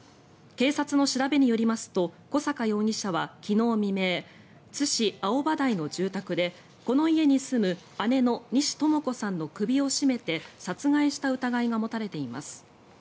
警察の調べによりますと小坂容疑者は昨日未明津市青葉台の住宅でこの家に住む姉の西トモ子さんの首を絞めて殺害した疑いが持たれています。